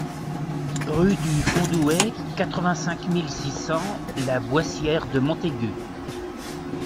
Rue du Fondouet, quatre-vingt-cinq mille six cents La Boissière-de-Montaigu